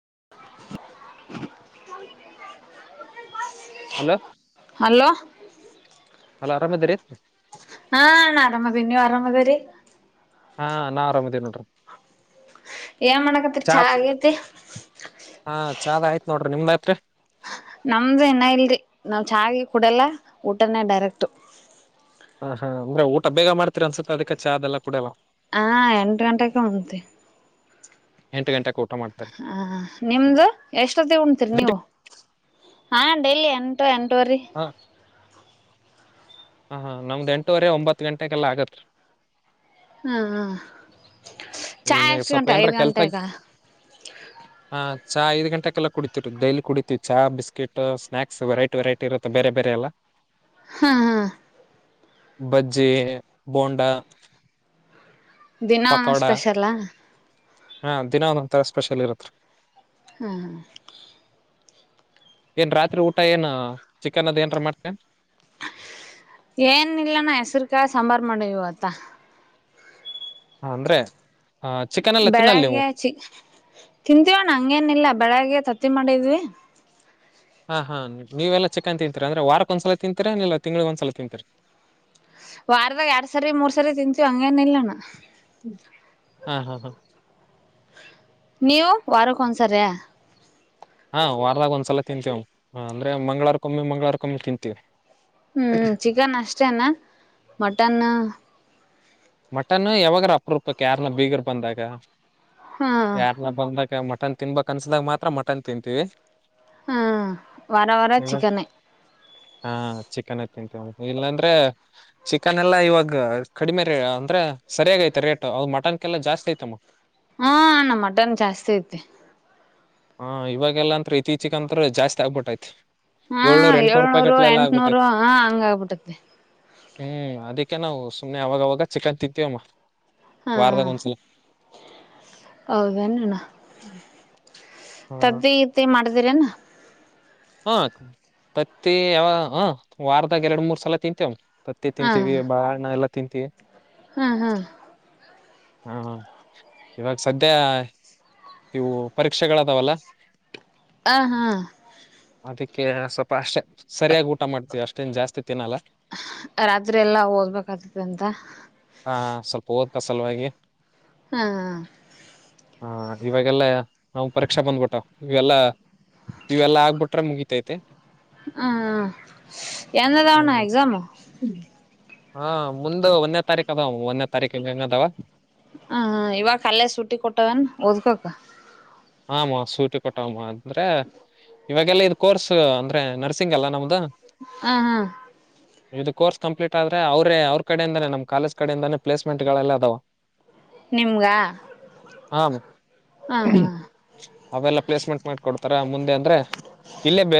[inaudible] Hello hello ಅ ಆರಾಮದ ಇದ್ರ ಐ ಹಾ ಅಣ ಅರಮ್ಇಧಿನಿ ನೀವು ಅರಮ್ಮದರಿ ಹಾ ನಾ ಆರಾಮದ ನಡ್ರ ಏನ್ ಮಾಡಕತ್ರಿ ಚಾ ಚತ್ ಆಗೇತಿ ಹಾ ಚದ್ ಆಯ್ತ್ು ನೋಡ್ರಿ ನಿಮ್ದ ಆಯ್ತ್ರಿ ನಮ್ದ ಇನ್ನ ಇಲ್ರಿ ನಾವ್ ಚಾಗ ಕುಡಲ್ಲ ಊಟನೇ ಡೈರೆಕ್ಟ್ ಹಾ ಹಾ ಅಂದ್ರ ಊಟ ಬೇಗ ಮಾಡತತಿರಿ ಅನ್ಸುತ್ತತ ಅದಕ್ಕೆ ಚ ಅದೆಲ್ಲ ಕುಡಲ್ಲ ಹಾ ಎಂಟು ಗಂಟಕ್ಕೆ ಉಂತ ಎಂಟು ಗಂಟೆಗೆ ಊಟ ಮಾಡ್ತಾರೆ ಹ ನಿಮ್ದ ಎಷ್ಟೊತ್ತ ಉಣತಿೀರಿ ನೀವು ಹಾ ಡೈಲಿ ಎಂಟ ಎಂಟುವರಿ ಹ ಹ ನಮ್ದ್ ಎಂಟೂವರೆ ಒಂಬತ್ತು ಗಂಟೆಗೆಲ್ಲಾ ಆಗತ್ರಿ ಹ್ಮ ಹ್ಮ ಈನ್ ಸ್ವಲ್ಪ ಏನ್ರ ಕೆಲ್ಸಾಗಿ ಹ ಚಾ ಐದು ಗಂಟೆಗೆೆಲ್ಲ ಕುಡಿತತಿವಿ ಡೈಲಿ ಕುಡಿತತಿೀವಿ ಚಾ ಬಿಸ್ಕಿಟ್ ಸ್ನಾಕ್ಸ್ ವೆರೈಟಿ ವೆರೈಟಿರುತ್ತ ಬೇರೆ ಬೇರೆ ಎಲ್ಲ ಹಾ ಹಾ ಬಜ್ಜಿ ಬೋಂಡಾ ದಿನಾ ಪಕೋಡ ಸ್ಪೆಷಲಾ ಹಾ ದಿನ ಒಂದೊ್ಥರಾ ಸ್ಪೆಷಲ್ ಇರತ್ರಿ ಹ್ಮ ಹಾ ಏನ್ ರಾತ್ರಿ ಊಟ ಏನ್ ಚಿಕನ್ ಅದ ಏನ್ರ ಮಾಡ್ತೇನ್ ಏನ್ ಇಲ್ಲನ ಹೆಸರುಕಾಯಿ ಸಾಂಬಾರ್ ಮಾಡಿವಿ ಇವತ್ತು ಹ ಅಂದ್ರೆ ಚಿಕನ್ ಎಲ್ಲ ತಿನ್ನಲ್ಲ ನೀವು ಬೆಳಗ್ಗೆ ಚಿ ತಿಂತೀವೋಣ ಹಂಗೇನಿಲ್ಲ ಬೆಳಗ್ಗೆ ತತ್ತಿ ಮಾಡಿದ್ವಿ ಹಾ ಹಾ ನೀವೆಲ್ಲ ಚಕ್ಕನ್ ತಿಂತೀರಿ ಅಂದ್ರೆ ವಾರಕ್ ಒಂದ್ಸಲ ತಿಂತೀರಾ ನೀಲ್ಲ ತಿಂಗ್ಳಿ ಒಂದ್ಸಲ ತಿಂತರಿ ವಾರದ ಎರಡ್ ಸರಿ ಮೂರ್ ಸರಿ ತಿಂತೀವಿ ಹಂಗೇನ ಇಲ್ಲಣ ಹಾ ಹಾ ಹಾ ನೀವು ವಾರಕ್ಕನ್ಸರ್ ಹಾ ವಾರದಾಗ ಒಂದ್ಸಲ ತಿಂತೀವ ಅಂದ್ರೆ ಮಂಗ್ವಾರಕಮ್ಮಿ ಮಂಗ್ವಾರಕಮ್ಮಿ ತಿಂತೀವಿ ಹ್ಮ್ ಚಿಕನ್ ಅಷ್ಟೇನಾ ಮಟನ್ ಮಟನ್ ಯಾವಾಗ್ರ ಅಪೂಪಕ್ ಯಾರನ್ನ ಬೀಗರ್ ಬಂದಾಗ ಹಾ ಯಾರನ್ನ ಬಂದಾಗ ಮಟನ್ ಮಟನ್ ತಿನ್ಬೇಕಕ್ ಅನ್ಸ್ದಾಗ ಮಾತ್ರ ಮಟನ್ ತಿಂತೀವಿ ಆ ವರ ವರ ಇವಾಗ ಚಿಕನೆ ಹಾ ಚಿಕನ್ ಅತ್ತಂತ ಇಲ್ಲಾಂದ್ರೆ ಚಿಕನ್ ಎಲ್ಲಾ ಇವಾಗ ಕಡಿಮೆ ಅಂದ್ರೆ ಸರಿಯಾಗಿ ಐತೆ ರೇಟ್ ಅದು ಮಟನ್ಗೆಲ್ಲ ಜಾಸ್ತಿ ಐತಮ್ಮ ಹಾ ನ ಮಟನ್ ಜಾಸ್ತಿ ಐತಿ ಹಾ ಇವಾಗೆಲ್ಲಾ ಅಂತ್ರ ಇತ್ತೀಚಿಕ ಅಂತ್ರೆ ಜಾಸ್ತಿ ಆಗ್ಬಿಟ್ಟೈತ್ತಿ ಹಾ ಏಳ್ನೂರು ಎಂಟನೂರು ಹ ಹಂಗ ಆಗ್ಬಿಟ್ಟತ್ತ ಹ್ಮ್ ಅದಕ್ಕೆ ನಾವು ಸುಮ್ನೆ ಅವಾಗವಾಗ ಚಿಕನ್ ಇಂತಿವಮ್ಮ ಹಾ ಹೌದೇನಣ್ಣ ತತ್ತಿ ದಿತ್ತಿ ಮಾಡ್ದರನ ಹಾ ತತ್ತ ಯಾವ ಹ ವಾರದಾಗ ಎರಡ್ ಮೂರ್ ಸಲ ತಿಂತೇವ ಮತ್ತೆ ತಿಂತೀವಿ ಬಾಳಣ ಎಲ್ಲಾ ತಿಂತೀವಿ ಹ್ಮ್ ಹ್ಮ್ ಹಾ ಇವಾಗ ಸದ್ಯ ನೀವು ಪರೀಕ್ಷೆಗಳದಾವಲ್ಲ ಆ ಹಾ ಅದಕ್ಕೆ ಸ್ವಲ್ಪ ಅಷ್ಟೇ ಸರಿಯಾಗಿ ಊಟ ಮಾಡ್ತೀವಿ ಅಷ್ಟೇನ್ ಜಾಸ್ತಿ ತಿನ್ನಲ್ಲ ರಾತ್ರಿ ಎಲ್ಲಾ ಓದ್ಬೇಕತತಿ ಅಂತ ಹಾ ಸ್ವಲ್ಪ ಓದ್ತಾ ಸಲುವಾಗಿ ಹಾ ಹ ಇವಾಗೆಲ್ಲ ನಾವು ಪರೀಕ್ಷಾ ಬಂದ್ಬಿಟ್ಟಾವ ಇವೆಲ್ಲ ಇವೆಲ್ಲಾ ಆಗ್ಬಿಟ್ಟ ಹ ಮುಗಿತೈತೆ ಹ್ಮ ಎದಾವಣ ಎಕ್ಸಾಮು ಹಾ ಮುಂದ ಒಂದನೇ ತಾರೀಕ ಅದ ಒಂದನೇ ತಾರೀಕ ಹ ಹೆಂಗದಾವ ಹ ಇವಾಗ ಅಲ್ಲೇ ಸುಟ್ಟಿ ಕೊಟ್ಟವನ್ ಓದ್ಕೊಕ್ ಆಮ್ಮ ಸೂಟಿ ಕೊಟ್ಟಮ್ಮ ಅಂದ್ರೆ ಇವಾಗೆಲ್ಲಾ ಇದ್ ಕೋರ್ಸ್ ಅಂದ್ರೆ ನರ್ಸಿಂಗ್ ಅಲ್ಲಾ ನಮ್ದ ಹ ಹಾ ಇದು ಕೋರ್ಸ್ ಕಂಪ್ಲೀಟ್ ಆದ್ರ ಅವ್ರೇ ಅವ್ರ ಕಡೆಯಿಂದಾನೇ ನಮ್ಮ ಕಾಲಜ್ ಕಡೆಯಿಂದಾನ ಪ್ಲೇಸ್ಮೆಂಟ್ ಗಳಲ್ಲ ಅದಾವ ನಿಮ್ಗ ಹಾ ಹ ಹಾ ಅವೆಲ್ಲ ಪ್ಲೇಸ್ಮೆಂಟ್ ಮಾಡಕೊಡ್ತಾರ ಮುಂದೆ ಅಂದ್ರೆ ಇಲ್ಲೇ ಬ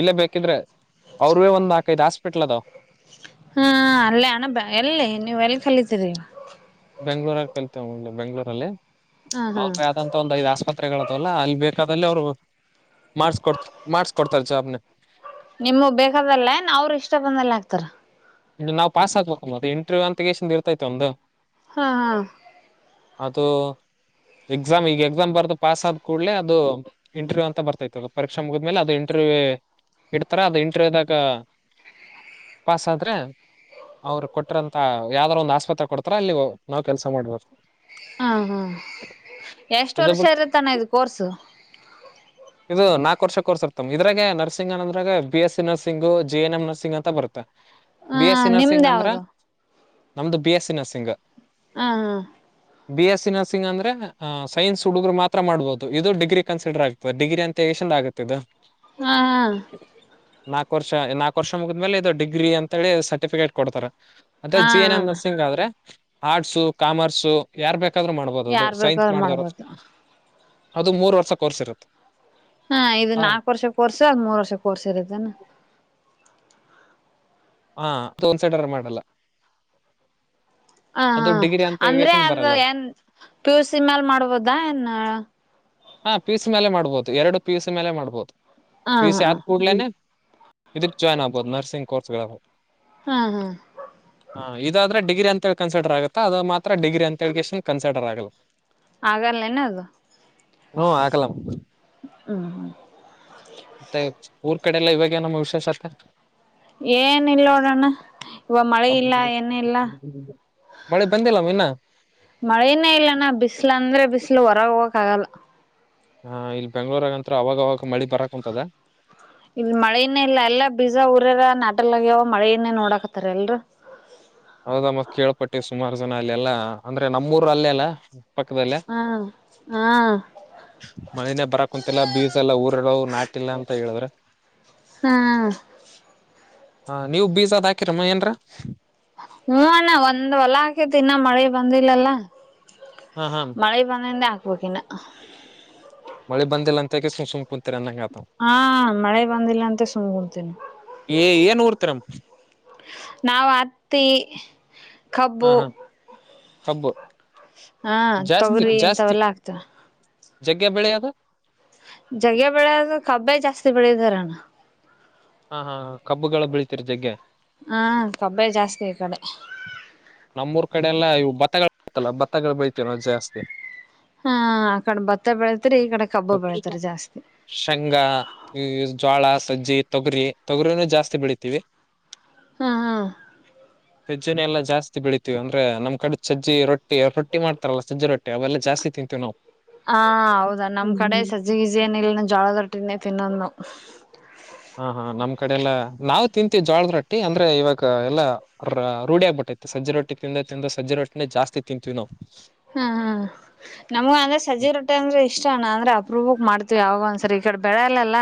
ಇಲ್ಲೇ ಬೇಕಿದ್ರೆ ಅವ್ರೇ ಒಂದು ನಾಕೈದು ಹಸ್ಪಟ್ಲ್ದ ಹಾ ಅಲ್ಲೇ ಹಣ ಬ ಎಲ್ಲಿ ನೀವ್ ಎಲ್ಲಿ ಕಲಿತೀರಿ ಬೆಂಗ್ಗಳೂರ ಕಲ್ತೇವೆ ಬೆಗಳೂರಲ್ಲಿ ಹ ಹಾ ಅವಂತ ಒಂದ ಐದ್ ಆಸ್ಪತ್ರೆಗಳ ತಲ್ಲಾ ಅಲ್ಲಿ ಬೇಕಾದಲ್ಲಿ ಅವ್ರು ಮಾಡಸ್ಕೊಡ್ತ ಮಾಡಸ್ಕೊಡ್ತಾರಸಬ್ನ ನಿಮ ಬೇಕಾದಲ್ಲ ಏನ್ ಅವರು ಇಷ್ಟ ಬಂದಲ್ಲ ಆಕ್ತಾರ ನಾ ಪಸ್ಕ್ಬೇಕ ಮತ್ತೆ ಇಂಟರ್ವ್ಯವ ಅಂತಗೇಶ ಇರ್ತೈತೆವ ಒಂದು ಹಾ ಹಾ ಅದು ಎಕ್ಸಾಮ್ ಈಗ ಎಕ್ಸಾಮ್ ಬರ್ದು ಪಾಸ್ ಆದ್ ಕೂಲ ಅದು ಇಂಟರ್ ಅಂತ ಬರ್ತೈತೆತ ಪರೀಕ್ಷೆ ಮುಗಿದ್ಮೇಲೆ ಅದು ಇಂಟರ್ವ್ಯೂ ಇಂಟ [unintelligible] ಅವ್ರು ಕೊಟರಂತ ಯಾವ್ದಾರ ಒಂದ್ ಆಸ್ಪತ್ರೆ ಕೊಡ್ತಾರ ಅಲ್ಲಿ ನಾವ್ ಕೆಲ್ಸ ಮಾಡ್ಬೇಕ ಹ ಹ್ಮ್ ಎಷ್ಟ ಇದು ವರ್ಷ ಬಿಟ್ ಇರುತ್ತಾನ ಇ ಕೋರ್ಸು ಇದು ನಾಕಕ್ ವರ್ಷ ಕೋರ್ಸ್ರ್ತ ಇದ್ರೆ ನರ್ಸಿಂಗ್ ಅನ್ನಂದ್ರಾಗ B S nursing J N M nursing ಅಂತ ಬರುತ್ತೆ ಹ ಬಿ ಎಸ್ ಸಿ ನಿಮ್ದ ನರ್ಸಿಂಗ್ ಅಂದ್ರ ಯಾವ್ದು ನಮ್ದು ಬಿ ಎಸ್ ಸಿ ನರ್ಸಿಂಗ್ ಹಾ ಹಾ ಬಿ ಎಸ್ ಸಿ ನರ್ಸಿಂಗ್ ಅಂದ್ರೆಹ್ ಸೈನ್ಸ್ ಹುಡುಗರು ಮಾತ್ರ ಮಾಡ್ಬಹುದು ಇದು ಡಿಗ್ರಿ ಕನ್ಸಿಡರ್ ಆಗ್ತಿ ಡಿಗ್ರಿ ಅಂತ ಎಷ್ಟಂದ ಆಗುತ್ತೆ ಇದು ಹಾ ಹ ನಾಕಕ್ ವರ್ಷ ನಾಕ್ ವರ್ಷ ಮುಗಿದ್ಮೇಲೆ ಇದು ಡಿಗ್ರಿ ಅಂತ ಹೇಳಿ ಸರ್ಟಿಫಿಕೇಟ್ ಕೊಡ್ತಾರ ಅದೆ ಹಾ ಜಿ ಎನ್ ಎ ಹಾ ನರ್ಸಿಂಗ್ ಆದ್ರೆ ಆರ್ಟ್ಸು ಕಾಮರ್ಸು ಯಾರ್ ಬೇಕ ಯಾಕಾದ್ರರು ಮಾಡ್ಬೋದು ಅದು ಯಾರ್ ಸೈನ್ಸ್ ಬೇಕಾದ್ರರು ಮಾಡಿದವರು ಮಾಡ್ಬೋದು ಅದು ಮೂರ್ ವರ್ಷ ಕೋರ್ಸ್ ಇರುತ್ತೆ ಹಾ ಇದು ನಾಕಕ್ ವರ್ಷ ಕೋರ್ಸ ಅದ್ ಮೂರ್ ವರ್ಷ ಕೋರ್ಸ ಇರತ್ತನ ಹಾ ತೋನ್ಸೆಟರ್ ಮಾಡಲ್ಲ ಹ ಅದು ಹ ಡಿಗ್ರಿ ಅಂತ ಅಂದ್ರೆ ಹೇಳ್ಗೆಸನ್ ಅದು ಬರಲ್ಲ ಏನ್ ಪ್ಯೂ ಸಿ ಮ್ಯಾಲ ಮಾಡ್ಬೋದಾ ನ್ ಹಾ ಪೀಸ್ ಮೇಲೆ ಮಾಡ್ಬೋದು ಎರಡು ಪೀಸ್ ಮೇಲೆ ಮಾಡ್ಬೋದು ಹಾ ಪಿ ಸಿ ಆದ್ ಕೂಡ್ಲೇನೆ ಇದ್ರ ಜಾಯಿನ್ ಆಗ್ಬಹುದು ನರ್ಸಿಂಗ್ ಕೋರ್ಸ್ ಗುದು ಹ್ಮ್ ಹ್ಮ್ ಹ ಇದಾದ್ರೆ ಡಿಗ್ರಿ ಅಂತೇಳಿ ಕನ್ಸಿಡರ್ ಆಗತ್ತ ಅದು ಮಾತ್ರ ಡಿಗ್ರಿ ಅಂತ ಹೇಳಿ ಇಷ್ಟನ್ ಕನ್ಸಿರ್ ಆಗಲ್ಲ ಆಗರ ನನೆದು ಹ್ಮ್ ಆಗಲ್ಲ ಹ್ಮ್ ಹ್ಮ್ ಮತ್ತೆ ಊರ್ ಕಡೆ ಎಲ್ಲ ಇವಾಗೇಏನಮ್ಮ ವಿಶೇಷ ಆ ಏನ್ ಇಲ್ಲೋಡಣ ಮಳೆ ಬಂದಿಲ್ಲವನ್ನ ಮಳೆನೇ ಇಲ್ಲನಾ ಬಿಸಲು ಅಂದ್ರೆ ಬಿಸಲು ಹೊರಗ ಹೋಗಕ್ ಆಗಲ್ಲ ಹ ಇಲ್ಲಿ ಬೆಂಗ್ಳೂಳೂರಗಂತ್ರ ಅವಾಗ ಅವವಾಗ ಮಳಿ ಬರಕ್ ಕುಂಂತದ ಇಲ್ ಮಳೆೆಯನೇ ಇಲ್ಲ ಎಲ್ಲಾ ಬೀಜ ಊರರ ನಾಟಲ್ಗ್ಯವ ಮಳೆನ್ನೇ ನೋಡಾಕತ್ತಾರ ಎಲ್ರು ಹೌದಾ ಮತ್ ಕೇಳ್ಪಟ್ಟೆ ಸುಮಾರು ಜನ ಅಲ್ಲೆ ಎಲ್ಲಾ ಅಂದ್ರೆ ನಮ್ಮೂರ ಅಲ್ಲೆ ಅಲ್ಲ ಹ್ಮ ಹಾ ಮನನೆೇ ಬರಕ್ ಕುಂತಲ್ಲ ಬೀಸ ಎಲ್ಲ ಊರಡ ನಾಟಿಲ್ಲ ಅಂತ ಹೇಳಿದ್ರ ಹ್ಮ ಹಾ ನೀವ ಬೀಜದ್ ಹಾಕಿರಮ್ಮ ಏನ್ರ ಹೂ ಅಣ್ಣ ಒಂದ್ ಹೊಲ ಹಾಕೆ ತಿ ಇನ್ನ ಮಳೆ ಬಂದಿಲ್ಲಲ್ಲ ಹಾ ಹಾ ಮಳೆಯ ಬಧಂದ ಹಬೇಕಕಿನ ಮಳೆ ಬಂದಿಲ್ಲ ಅಂತ ಸುಂ ಪುತ್ರನಾಂಗ ಹಾ ಮಳೆ ಬಂದಿಲ್ಲ ಅಂತ ಸುಮ್ ಕುಂತೀನಿ ಎ ಏನ್ ಊರ್ ತ್ತಂ ನಾವ ಹತ್ತಿ ಹಾ ಕಬ್ಬು. ಹಾ ಕಬ್ಬು ಹಾ ಜಾಸ್ತಿ ತೊಗರಿ ಜಾಸ್ತಿ ಇಂತವೆಲ್ಲಾ ಹಾಕ್ತಾರೆ. ಜಗ್ಗೆ ಬೆಳೆ ಅದ. ಜಗ್ಗೆ ಬೆಳೆದು ಕಬ್ಬೆ ಜಾಸ್ತಿ ಬೆಳಿದಾರಣ್ಣ. ಹಾ ಹಾ ಕಬ್ಬುಗಳ ಬೆಳತಿರ ಜಗ್ಗೆ. ಹಾ ಕಬ್ಬೆ ಜಾಸ್ತಿ ಈ ಕಡೆ. ನಮ್ಮೂರ್ ಕಡೆ ಎಲ್ಲ ಇವು ಭತ್ತಗಳು ಬತ್ತಲ್ಲ ಭತ್ತಗಳು ಬೈತ ನೋ ಜಾಸ್ತಿ ಹಾ ಆಕಡೆ ಬತ್ತ ಬೆಳೆ. ಶೇಂಗ ಈ ಜ್ವಾಳಸ್ ಸಜ್ಜಿ ತೊಗರಿ ತೊಗರಿನು ಜಾಸ್ತಿ ಬೆಳಿತೀವಿ. ಹ್ಮ ಹಾ ಸಜ್ಜನೆ ಎಲ್ಲ ಜಾಸ್ತಿ ಬೆಳತಿವಿ ಅಂದ್ರ ನಮಮ್ಮ ಕಡೆ ಸಜ್ಜ ರೊಟ್ಟಿ ರೊಟ್ಟಿ್ತಾರಲ್ಲಜ್ಜ ರೊಟ್ಟಿ ಅವೆಲ್ಲ ಜಾಸ್ತಿ ತಿಂತೀವಿ ನಾವು ಹಾ ಹೌದಾ ನಮ್ ಕಡೆ ಸಜ್ಜಿಗಿಜ ಏನ್ ಇಲ್ನ ಜೋಳ ದಟ್ಟಿನೇ ತಿನ್ನೊದು ನಾವೆಲ್ಲ ಹಾ ಹಾ ನಮ್ ಕಡೆ ಎಲ್ಲ ನಾವ್ ತಿಂತೀವಿ ಜೋಳದ ರೊಟ್ಟಿ ಅಂದ್ರೆ ಇವಾಗ ಎಲ್ಲಾ ರೂಢಿ ಆಗ್ಬಿಟ್ಟಿ ಆಯತ ಸಜಿರೊಟ್ಟಿ ತಿಿಂದ ತಿಿಂದ ಸಜಿ ರೊಟ್ಟಿನೇ ಜಾಸ್ತಿ ತಿಂತೀವಿ ನಾವು ಹ್ಮ್ ಹ್ಮ್ ನಮಗ ಅಂದ್ರೆ ಸಜ್ಜ ರೊಟ್ಟೆ ಅಂದ್ರೆ ಇಷ್ಟಣ್ಣ ಅಂದ್ರೆ ಅಪ್ರೂಪ ಮಾಡ್ತವಿ ಇ ಯಾವಾಗ ಒಂದ್ಸರಿ ಈ ಕಡೆ ಬೆಳೆಲ್ಲಲ್ಲ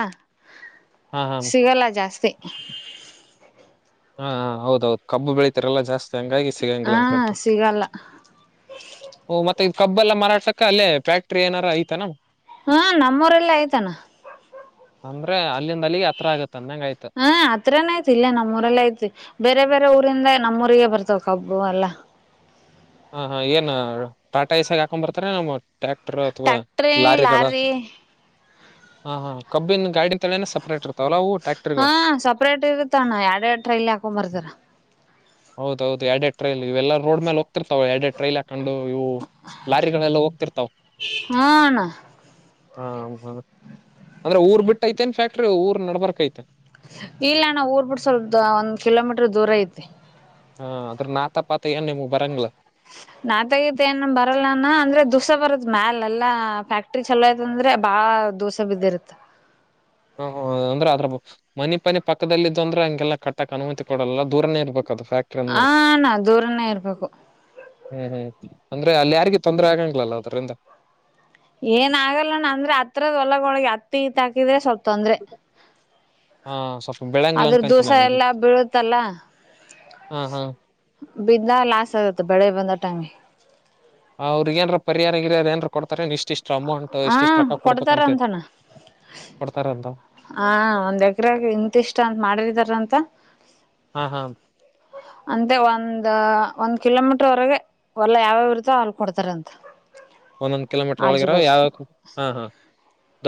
ಹಾ ಹಾ ಸಿಗಲ್ಲ ಜಾಸ್ತಿ [inaudible] ಹಾ ಹೌದೌದು ಕಬ್ಬ ಬೆಳೀಿತರಲ್ಲ ಜಾಸ್ತಿ ಹಂಗಾಗಿ ಸಿಗಂಗಿಲ್ಲ ಹಾ ಅಕ ಸಿಗಲ್ಲ ಓ ಮತ್ತೆ ಕಬ್ಬ ಎಲ್ಲ ಮಾರಾಡ್ಸಕ ಅೇ ಫ್ಯಾಕ್ಟ್ರ ಏನಾರ ಐತಾನ ಹಾ ನಮ್ಮೂರೆಲ್ಲ ಆಯ್ತಾನ ಅಂದ್ರೆ ಅಲ್ಲಿಂದ ಅಲ್ಲಿಗೆ ಹತ್ರ ಆಗತ್ತ ಅಂದಂಗ ಆಯ್ತ ಹ ಆತ್ರಾನ ಆಯ್ತಿ ಇಲ್ಲ ನಮ್ಮೂರಲ್ಲ ಐ್ತಿ ಬೇರೆ ಬೇರೆ ಊರಿಂದ ನಮ್ಮೂರಿಗೆ ಬರ್ತವ ಕಬ್ಬು ಅಲ್ಲಾ ಹ ಹಾ ಏನ್ ಟಾಟ ಇಸಾಗ ಹಾಕೊಂಡ್ ಬರ್ತಾರ ನಮ್ಮ ಟ್ರ್ಯಾಕ್ಟರ್ ಅಥವಾ ಟ್ಯಾಕ್ಟ್ರಿ ಲಾರಿಗಳ ಲಾರಿ ಹಾ ಹಾ ಕಬ್ಬಿನ ಗಾಡಿನ ತಳೇನ ಸಪ್ರೇಟ್ ಇರುತ್ತೆ ಹಾ ಸಪ್ರೇಟ್ ಇರುತ್ತ ಅಣ್ಣ ಎರಡೆ ಎರಡು ಟ್ರೈಲಿ ಹಾಕೊ ಬರ್ತಾರ ಹೌದೌದು ಎಡೆಟ್ರೈ ಇಲ್ಲ ರೋಡ್ ಮೇಲೆ ಹೋಗ್ತಿರ್ತವೆೆ ಎಡಡೆ ಟ್ರೈಲ್ ಹಾಕೊಂಡು ಇವು ಲಾರಿಗಳೆಲ್ಲ ಹೋಗ್ತಿರ್ತಾವ ಹಾ ಅಣ್ಣ ಹಾ ಅಂದ್ರೆ ಊರ್ ಬಿಟ್ಟಐತೆೇನ್ ಫ್ಯಾಕ್ಟ್ರಿ ಊರ್ ನಡ್ಬಾರಕ್ೈತೆ ಇಲ್ಲ ನಾ ಊರ್ ಬಿಿಟ್ಟ ಸ್ವಲ್ಪ ಒಂದ್ ಕಿಲೋಮೀಟ್ರರ್ ದೂರ ಐತೆ ಹಾ ಅದ್ರ ನಾತ ಪಾತ ಏನ್ ನಿಮ್ಗ್ ಬರಂಗಲ ನಾತಗತ್ ಏ ಬರಲ್ಲಾನ ಅಂದ್ರೆ ದುಸ ಬರದ ಮ್ಯಾಲ ಎಲ್ಲಾ ಫ್ಯಾಕ್ಟ್ರಿ ಚಲೋ ಆಯ್ತ ಅಂದ್ರೆ ಬಾಳ ದದುಸೆ ಬಿದಿರ್ತ [inaudible] ಹ ಹ ಅಂದ್ರೆ ಅದ್ರ ಮನಿ ಪನೆ ಪಕ್ಕದಲ್ಲಿದ್ದು ಅಂದ್ರೆ ಹಂಗೆಲ್ಲ ಕಟ್ಟಕ್ ಅನುಮತಿ ಕೊಡಲ್ಲ ದೂರನೇ ಇರ್ಬೇಕು ಹ ನಾ ದೂರನೇ ಇರ್ಬೇಕು ಹ್ಮ್ ಹ್ಮ್ ಅಂದ್ರೆ ಅಲ್ಲಿ ಯಾರಿಿಗೆ ತೊಂದರೆ ಆಗಂಗ್ಲಲ್ಲ ಅದ್ರಿಂದ ಏನ ಆಗಲ್ಲಣ ಅಂದ್ರೆ ಹತ್ರದ ಒಲಗ ಒಳಗೆ ಹತ್ತ ಇತ್ ಹಾಕಿದ್ರೆ ಸ್ವಲ್ಪ ತೊಂದರೆ ಹಾ ಸ್ವಲ್ಪ ಬೆಳಂಗ್ಲ ಅದ್ರ ಅನ್ಕೊಂತೀನಿ ದೋಸೆ ಅವಾಗ ಎಲ್ಲಾ ಬೀಳುತ್ತಲ್ಲ ಹಾ ಹಾ ಬಿದ್ದ ಲಾಸ್ ಆಗತ್ತೆ ಬೆಳೆ ಬಂದಟಮಗೆ ಅವ್ರರುಗ ನ್ರ ಪರಿಾರ ಇಿಲ್ಲ ಅದ ಏನ್ರ ಕೊಡ್ತಾರೆ ನಿಶ್ ಇಷ್ಟ ಅಮೌಂಟ್ ಹ ಇಷ್ಟ ಎಷ್ಟು ರಕ್ಕ ಕೊಡ್ತಾರ ಕೊಡ್ಬೇಕಂತೆ ಅಂತಣ್ಣ ಕೊಡ್ತಾರಂತ ಹ ಒಂದ್ ಎಕ್ರಾಗ ಇಂತಿಷ್ಟ ಅಂತ ಮಾಡಿದಾರಂತ ಹಾ ಹಾ ಅಂತೆ ಒಂದ ಒಂದ್ ಕಿಲೋಮೀಟರ್ ವರೆಗೆ ಹೊಲ್ಲ ಯಾವ್ಯಾವರುತೋ ಹಾಲ್ ಕೊಡ್ತಾರ ಅಂತ ಒಂದೊಂದ್ ಕಿಲೋಮೀಟ್ರ ಒಳಗಿರಾವ ಯಾವ ಹಾ ಹಾ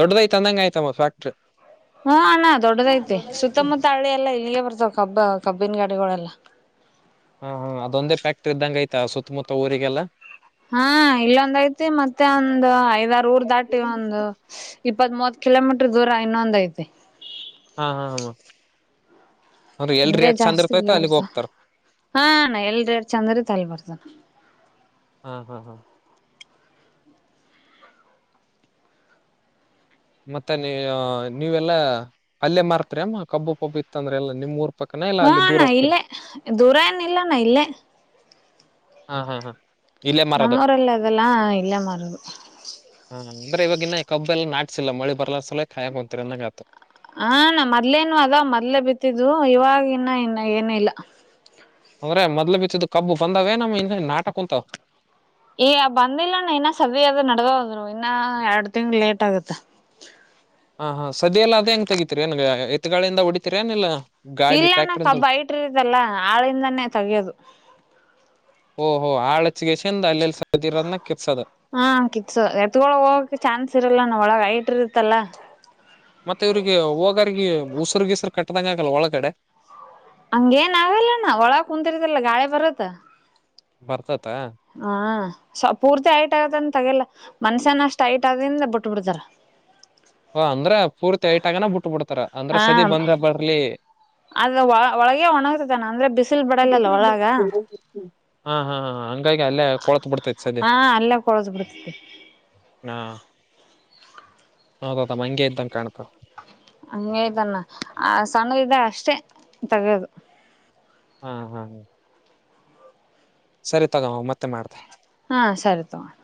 ದೊಡ್ಡದಐತ ಅಂದಂಗ ಆಯ್ತಮ್ಮ ಫ್ಯಾಕ್ಟ್ರಿ ಹ್ಮ ಅಣ್ಣ ದೊಡ್ಡದ ಐತಿ ಸುತ್ತಮುತ್ತ ಹಳ್ಳಿ ಎಲ್ಲಾ ಇಲ್ಲಿಗೆ ಕಬ್ಬ ಕಬ್ಬಿನ ಗಡೆಗಳೆಲ್ಲ ಹಾ ಹಾ ಅದೊಂದೇ ಫ್ಯಾಕ್ಟ್ರಿ ಇದ್ದಂಗ ಆಯ್ತಾ ಸುತ್ತಮುತ್ತ ಊರಿಗೆಲ್ಲಾ ಹಾ ಇಲ್ಲೊಂದ್ ಐತಿ ಮತ್ತೆ ಒಂದು್ ಐದಾರು ಊರ್ ದಾಟಿ ಒಂದು ಇಪ್ಪತ್ ಮೂತ್ ಕಿಲೋಮೀಟರ್ ದೂರ ಇನ್ನೊಂದ ಐತೆ ಹಾ ಹಾ ಹ ಅಂದ್ರೆ ಜಾಸ್ತಿ ಇಲ್ಲಿ ಬರ್ತ ಹಾ ಎಲ್ರ ಎಡ್ ಚಂದ್ರ ಅಲ್ ಬರ್ತಾನ ಹಾ ಹಾ ಹಾ ಮತ್ತೆ ನೀ ನೀವೆಲ್ಲಾ ಅಲ್ಲೆ ಮಾರ್ತ್ರಿ ಅಮ್ಮ ಕಬ್ಬು ಪಬ್ಬು ಇತ್ತಂದ್ರೆ ಎಲ್ಲಾ ನಿಮ್ರ್ ಹ್ಮಣ ಇಲ್ಲೇ ದೂರ ಏನ ಇಲ್ಲಣ ಇಲ್ಲೇ ಹಾ ಹಾ ಹಾ ಇಲ್ಲೇ ಮಾರದು ನಮ್ಮ ಊರಲ್ಲ ಅದಲ್ಲಾ ಇಲ್ಲೆ ಮಾರದು ಹ ಅಂದ್ರೆ ಇವಾಗೆನ್ ಇ ಕಬ್ಬ ಎಲ್ಲ ನಾಟ್ಸಿಲ್ಲ ಮಳಿ ಬರ್ಲ ಸಲುವಾಗಿ ಖಾಯಂ ಹೋಗತೀರಿ ಅಂದಂಗ ಆಯ್ತು ಹಾ ಮೊದ್ಲೇನು ಅದಾವ್ ಮೊದ್ಲೆೇ ಬಿತ್ತಿದು ಇವವಾಗಿ ಇನ್ನ ಇನ್ನ ಏನಿಲ್ಲಾ ಅಂದ್ರೆ ಮೊದ್ಲು ಬಿತ್ತಿದ್ದ ಕಬ್ಬು ಬಂದಾವೇ ನಮ್ ಇ ನಾಟಕ ಕುಂತಾವ ಈ ಬಂದಿಲ್ಲಣ್ಣ ಎರಡು ತಿಂಗ ಲೇಟ್ ಆಗುತ್ತ ಹಾ ಹಾ ಸದ್ಯ ಎಲ್ಲ ಅದೇ ಹೆಂಗ್ ತೆಗತಿರಿ ನನ್ಗ ಎತ್ಗಾಳಿಂದ ಹೊಡಿತತಿರಿ ಏನ್ಿಲ್ಲಾ ಇಲ್ಲಣ್ಣ ಕಬ್ಬ ಐಟರತಲ್ಲ ಆಳಿಂದಾನೇ ತಗಿಯೋದು ಹಓ ಆಳಚಗೆ ಚೆಂದ ಅಲ್ಲ ಹಾ ಕಿತ್ಸ ಎತ್ಗೊಳ ಹೋಗಕ್ಕೆ ಚಾನ್ಸ್ ಇರಲ್ಲ ನಾ ಒಳಗ ಆಯ್ತ ಬಿಟ್ಟಿರುತ್ತಲ್ಲ ಮತ್ತೆ ಇವ್ರಿಗೆ ಹೋಗರ್ಗ ಉಸರುಗೀಸರು ಕಟ್ಟ್ದಂಗ ಆಗಲ್ ಒಳಗಡೆ ಹಂಗೇನ್ ಆಗಲ್ಲಣ್ಣ ಒಳ ಕುಂತಿರ್ತಲ್ಲ ಗಾಳಿ ಬರತ್ತ ಬರ್ತದ ಹಾ ಸ್ ಪೂರ್ತಿ ಆಐಟ್ ಆಗದನ್ ತಗಲ್ಲ ಮನುಷ್ಯಾನಷ್ಟ ಐಟ್ ಆಗಿಂದ ಬಿಟ್ ಬಿಡ್ತಾರ ಹ ಅಂದ್ರ ಪೂರ್ತಿ ಐಟ್ ಆಗನ ಬಿಟ್ಟ ಬಿಡ್ತಾರ ಅಂದ್ರ ಸದಿ ಹ ಬಂದ್ರ ಬರ್ಲಿ ಅದ ಒಳಗೆ ಒಣಗುತ್ತ ಅಣ್ಣಾ ಅಂದ್ರೆ ಬಿಸ [unintelligible] ಹಾ ಹಾ ಗೆ ಅಲ್ಲೇ ಕೊಳತ್ ಬಿಡ್ತೈತಿ ಸದಿ ಹಾ ಅಲ್ಲೇ ಕೊಳದ್ ಬಿಡ್ತತಿ ಹಾ ಹೌದದ ಮಂಗೆ ಇದ್ದಂಗ ಕಾಣ್ತವ ಹಂಗಯ್ತ್ಣ ಆ ಸಣ್ಣ ಇದಾಗ ಅಷ್ಟೇ ತಗೋದು ಹ್ಮ ಹಾ ಹಾ ಸರಿ ತಗೋ ಮತ್ತೆ ಮಾಡ್ತೆ ಹಾ ಸರಿ ತಗೋ ಅಣ್ಣಾ